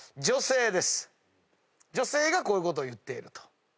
女性がこういうことを言っていると。